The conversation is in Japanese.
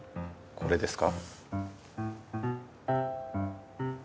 これですか？